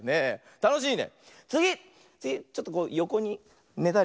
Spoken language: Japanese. たのしいね。